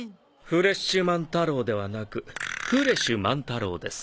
フレッシュマン太郎ではなく振主万太郎です。